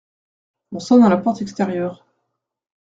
On sonne à la porte extérieure.